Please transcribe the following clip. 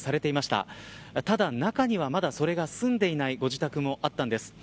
ただ、中には、まだそれが済んでいないご自宅もあったんです。